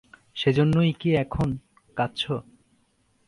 সেজন্যই কি এখন কাঁদছো?